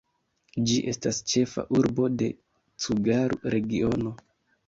Ĝi estas ĉefa urbo de Cugaru-regiono.